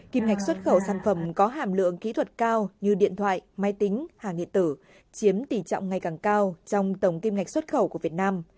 kim ngạch xuất khẩu sản phẩm có hàm lượng kỹ thuật cao như điện thoại máy tính hàng điện tử chiếm tỷ trọng ngày càng cao trong tổng kim ngạch xuất khẩu của việt nam